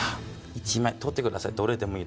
１枚取ってください